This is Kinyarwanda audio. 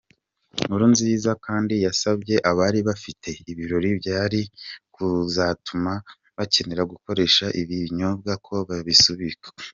Nkurunziza kandi yasabye abari bafite ibirori byari kuzatuma bakenera gukoresha ibi binyobwa, ko babisubika.